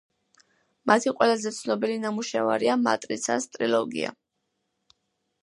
მათი ყველაზე ცნობილი ნამუშევარია „მატრიცას“ ტრილოგია.